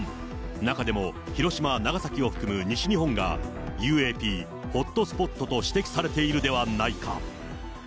中でも広島、長崎を含む西日本がＵＡＰホットスポットと指摘されているではないか。